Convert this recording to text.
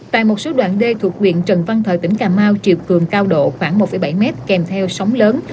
tại một số đoạn đê thuộc biển trần văn thợ tỉnh cà mau triều cường cao độ khoảng một bảy mét kèm theo sóng lớn